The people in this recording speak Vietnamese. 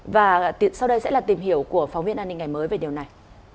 và sau đây sẽ là tìm hiểu của phóng viên an ninh ngày mới về điều này